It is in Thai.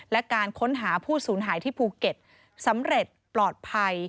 และการค้นหาผู้สูญหายที่ภูเก็ตสำเร็จปลอดภัย